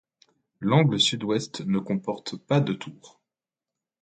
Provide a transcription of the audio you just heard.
L'angle sud-ouest ne comporte pas de tour.